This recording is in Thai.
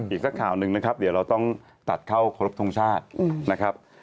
อีกสักข่าวหนึ่งนะครับเดี๋ยวเราต้องตัดเข้าครบทรงชาตินะครับ